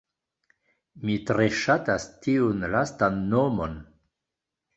Mi tre ŝatas tiun lastan nomon!